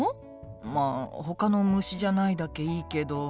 まあほかの虫じゃないだけいいけど。